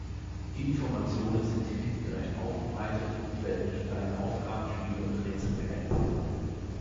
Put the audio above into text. Die Informationen sind kindgerecht aufbereitet und werden durch kleine Aufgaben, Spiele und Rätsel ergänzt.